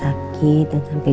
loh tidak pasti masih